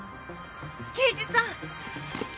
刑事さん！